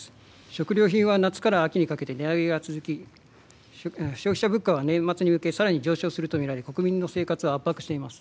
食料品は夏から秋にかけて値上げが続き消費者物価は年末に向けさらに上昇国民の生活を圧迫しています。